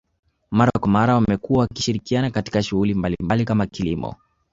Mara kwa mara wamekuwa wakishirikiana katika shughuli mbalimbali kama kilimo